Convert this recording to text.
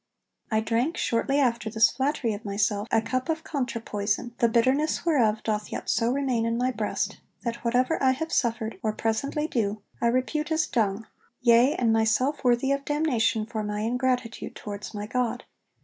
I drank, shortly after this flattery of myself, a cup of contra poison, the bitterness whereof doth yet so remain in my breast, that whatever I have suffered, or presently do, I repute as dung, yea, and myself worthy of damnation for my ingratitude towards my God.